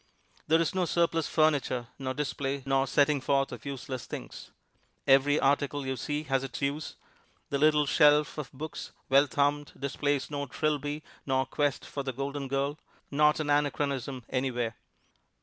There is no surplus furniture nor display nor setting forth of useless things. Every article you see has its use. The little shelf of books, well thumbed, displays no "Trilby" nor "Quest of the Golden Girl" not an anachronism any where.